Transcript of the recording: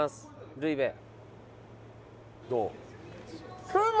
ルイベどう？